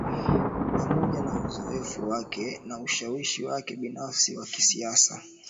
Pamoja na uzoefu wake na ushawishi wake binafsi wa kisiasa